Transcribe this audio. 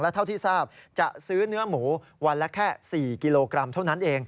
เท่าที่ทราบจะซื้อเนื้อหมูวันละแค่๔กิโลกรัมเท่านั้นเอง